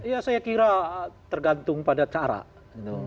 ya saya kira tergantung pada cara gitu